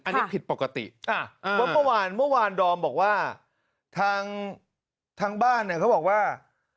อันนี้ผิดปกติเพราะเมื่อวานเมื่อวานดอมบอกว่าทางบ้านเนี่ยเขาบอกว่า